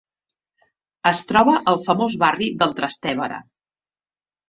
Es troba al famós barri del Trastevere.